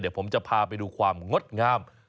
เดี๋ยวผมจะพาไปดูความงดงาม